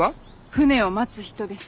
「船を待つ人」です。